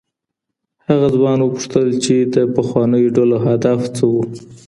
هغه ځوان وپوښتل چي د پخوانيو ډلو هدف څه و.